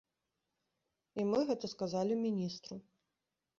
І мы гэта сказалі міністру.